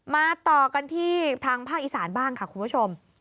มาต่อกันที่ทางภาคอีสานบ้างค่ะคุณผู้ชม